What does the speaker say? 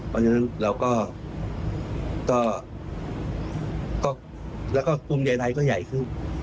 เพราะฉะนั้นเราก็ก็แล้วก็กลุ่มใดไทยก็ใหญ่ขึ้น